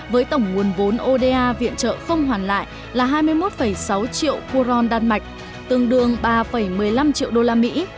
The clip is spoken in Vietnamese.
với tổng nguồn vốn oda viện trợ không hoàn lại là hai mươi một sáu triệu kuron đan mạch tương đương ba một mươi năm triệu đô la mỹ